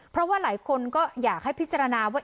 เพราะว่าหลายคนก็อยากให้พิจารณาว่า